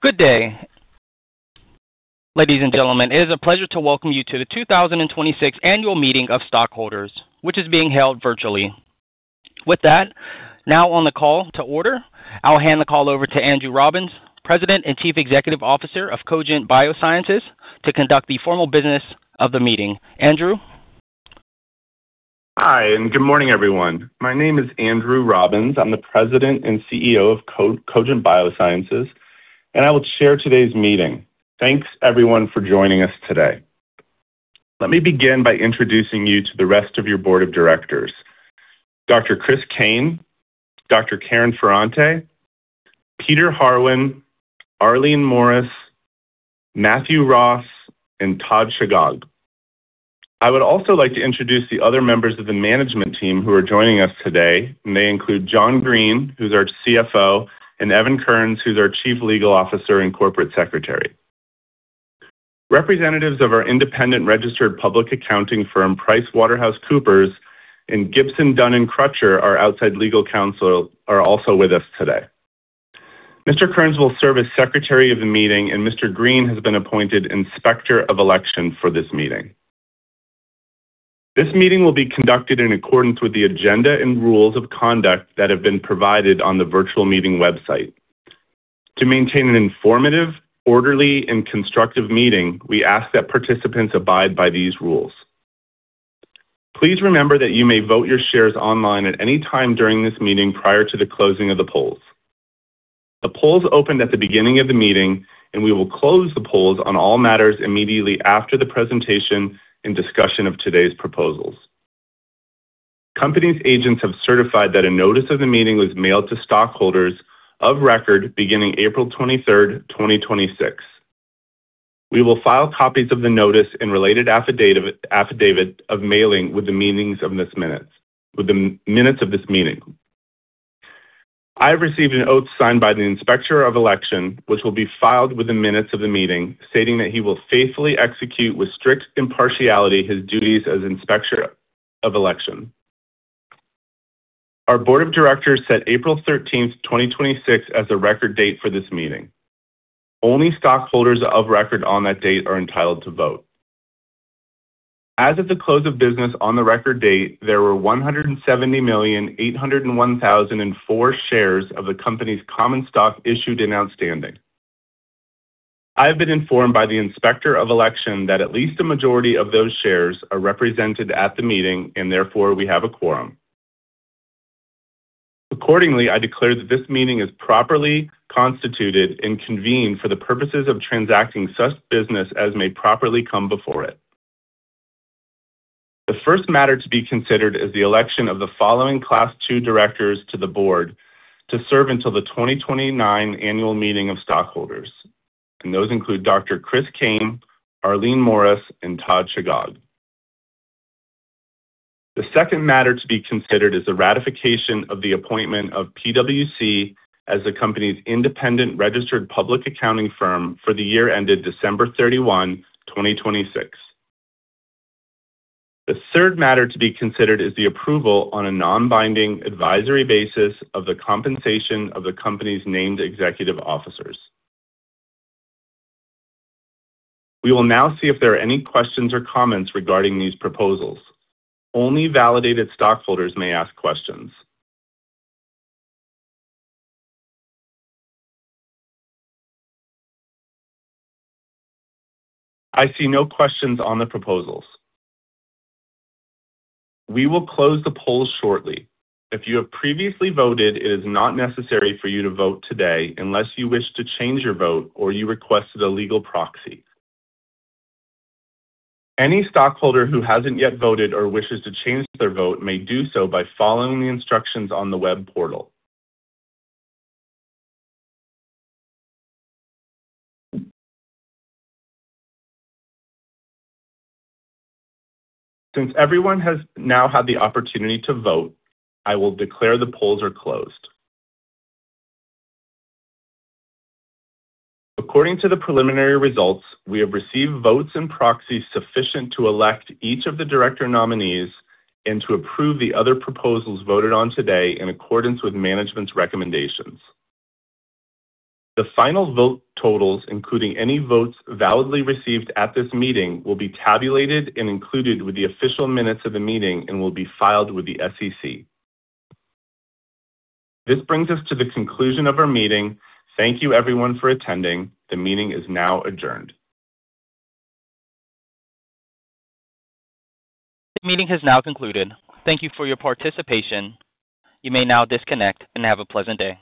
Good day, ladies and gentlemen. It is a pleasure to welcome you to the 2026 annual meeting of stockholders, which is being held virtually. With that, now on the call to order, I'll hand the call over to Andrew Robbins, President and Chief Executive Officer of Cogent Biosciences, to conduct the formal business of the meeting. Andrew? Hi, good morning, everyone. My name is Andrew Robbins. I'm the President and CEO of Cogent Biosciences, I will chair today's meeting. Thanks, everyone, for joining us today. Let me begin by introducing you to the rest of your board of directors: Dr. Chris Cain, Dr. Karen Ferrante, Peter Harwin, Arlene Morris, Matthew Ross, and Todd Shegog. I would also like to introduce the other members of the management team who are joining us today, They include John Green, who's our CFO, and Evan Kearns, who's our chief legal officer and corporate secretary. Representatives of our independent registered public accounting firm, PricewaterhouseCoopers, and Gibson, Dunn & Crutcher, our outside legal counsel, are also with us today. Mr. Kearns will serve as secretary of the meeting, Mr. Green has been appointed Inspector of Election for this meeting. This meeting will be conducted in accordance with the agenda and rules of conduct that have been provided on the virtual meeting website. To maintain an informative, orderly, and constructive meeting, we ask that participants abide by these rules. Please remember that you may vote your shares online at any time during this meeting prior to the closing of the polls. The polls opened at the beginning of the meeting, We will close the polls on all matters immediately after the presentation and discussion of today's proposals. Company's agents have certified that a notice of the meeting was mailed to stockholders of record beginning April 23rd, 2026. We will file copies of the notice and related affidavit of mailing with the minutes of this meeting. I have received an oath signed by the Inspector of Election, which will be filed with the minutes of the meeting, stating that he will faithfully execute with strict impartiality his duties as Inspector of Election. Our board of directors set April 13th, 2026, as the record date for this meeting. Only stockholders of record on that date are entitled to vote. As of the close of business on the record date, there were 170,801,004 shares of the company's common stock issued and outstanding. I have been informed by the Inspector of Election that at least a majority of those shares are represented at the meeting, Therefore, we have a quorum. Accordingly, I declare that this meeting is properly constituted and convened for the purposes of transacting such business as may properly come before it. The first matter to be considered is the election of the following Class II directors to the board to serve until the 2029 Annual Meeting of Stockholders, and those include Dr. Chris Cain, Arlene Morris, and Todd Shegog. The second matter to be considered is the ratification of the appointment of PwC as the company's independent registered public accounting firm for the year ended December 31, 2026. The third matter to be considered is the approval on a non-binding advisory basis of the compensation of the company's named executive officers. We will now see if there are any questions or comments regarding these proposals. Only validated stockholders may ask questions. I see no questions on the proposals. We will close the polls shortly. If you have previously voted, it is not necessary for you to vote today unless you wish to change your vote or you requested a legal proxy. Any stockholder who hasn't yet voted or wishes to change their vote may do so by following the instructions on the web portal. Since everyone has now had the opportunity to vote, I will declare the polls are closed. According to the preliminary results, we have received votes and proxies sufficient to elect each of the director nominees and to approve the other proposals voted on today in accordance with management's recommendations. The final vote totals, including any votes validly received at this meeting, will be tabulated and included with the official minutes of the meeting and will be filed with the SEC. This brings us to the conclusion of our meeting. Thank you everyone for attending. The meeting is now adjourned. The meeting has now concluded. Thank you for your participation. You may now disconnect and have a pleasant day.